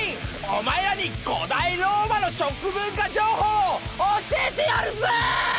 お前らに古代ローマの食文化情報を教えてやるぜ！